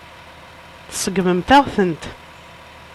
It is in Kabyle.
Tseggmemt-aɣ-tent.